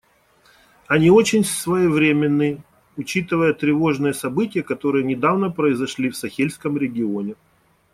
Они очень своевременны, учитывая тревожные события, которые недавно произошли в Сахельском регионе.